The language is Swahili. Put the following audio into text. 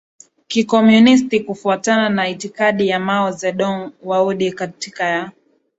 kikomunisti kufuatana na itikadi ya Mao Zedong Uadui kati ya